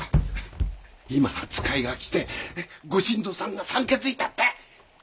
今使いが来て「ご新造さんが産気づいた」って。